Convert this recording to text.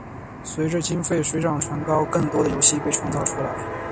随着经费水涨船高更多的游戏被创造出来。